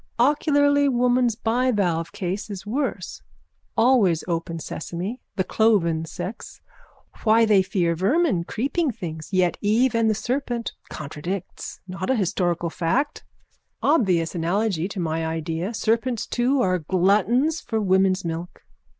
_ Ocularly woman's bivalve case is worse. Always open sesame. The cloven sex. Why they fear vermin, creeping things. Yet Eve and the serpent contradicts. Not a historical fact. Obvious analogy to my idea. Serpents too are gluttons for woman's milk.